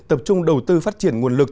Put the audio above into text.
tập trung đầu tư phát triển nguồn lực